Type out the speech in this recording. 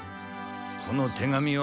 この手紙は。